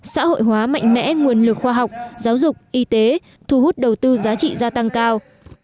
xã hội hóa mạnh mẽ nguồn lực khoa học giáo dục y tế thu hút đầu tư giá trị gia tăng cao